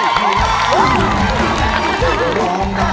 คุณอีทร้อง